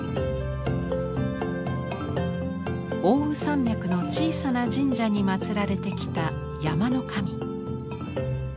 奥羽山脈の小さな神社に祀られてきた山の神。